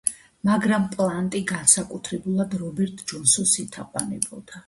მაგრამ პლანტი განსაკუთრებულად რობერტ ჯონსონს ეთაყვანებოდა.